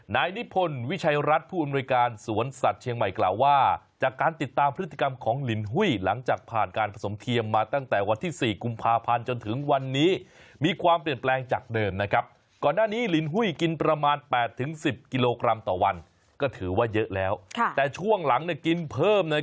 นายนิพนธ์วิชัยรัฐผู้อำนวยการสวนสัตว์เชียงใหม่กล่าวว่าจากการติดตามพฤติกรรมของลินหุ้ยหลังจากผ่านการผสมเทียมมาตั้งแต่วันที่๔กุมภาพันธ์จนถึงวันนี้มีความเปลี่ยนแปลงจากเดิมนะครับก่อนหน้านี้ลินหุ้ยกินประมาณ๘๑๐กิโลกรัมต่อวันก็ถือว่าเยอะแล้วแต่ช่วงหลังเนี่ยกินเพิ่มใน